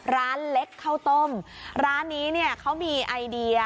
ร้านเล็กข้าวต้มร้านนี้เนี่ยเขามีไอเดีย